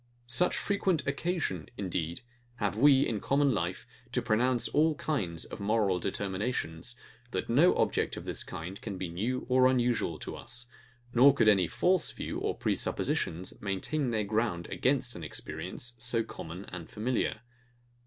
Such frequent occasion, indeed, have we, in common life, to pronounce all kinds of moral determinations, that no object of this kind can be new or unusual to us; nor could any FALSE views or prepossessions maintain their ground against an experience, so common and familiar.